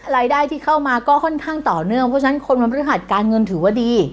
รายได้ที่เข้ามาก็ค่อนข้างต่อเนื่องเพราะฉะนั้นคนวันพฤหัสการเงินถือว่าดี